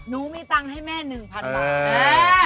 หนูมีตังค์ให้แม่๑๐๐๐บาท